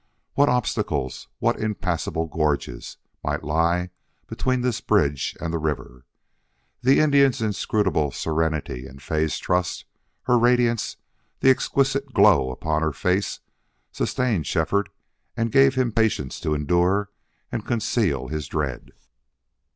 What obstacles, what impassable gorges, might lie between this bridge and the river! The Indian's inscrutable serenity and Fay's trust, her radiance, the exquisite glow upon her face, sustained Shefford and gave him patience to endure and conceal his dread.